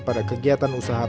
pada kegiatan usaha pertambangan